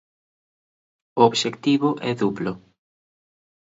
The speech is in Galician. O obxectivo é duplo.